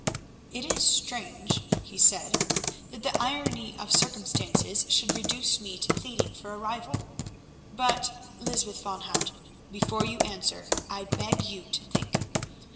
"It is strange," he said, "that the irony of circumstances should reduce me to pleading for a rival. But, Lysbeth van Hout, before you answer I beg you to think.